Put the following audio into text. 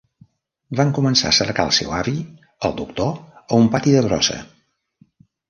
Van començar cercant el seu avi, el Doctor, a un pati de brossa.